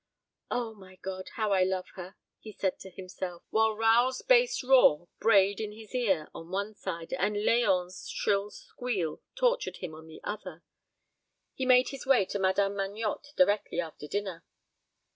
"O, my God, how I love her!" he said to himself, while Raoul's bass roar brayed in his ear on one side, and Leon's shrill squeal tortured him on the other. He made his way to Madame Magnotte directly after dinner.